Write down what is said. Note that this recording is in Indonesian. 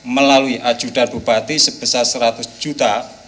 melalui ajudan bubati sebesar rp seratus